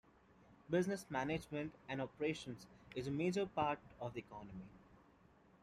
Business management and operations is a major part of the economy.